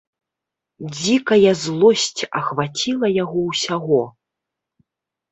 Дзікая злосць ахваціла яго ўсяго.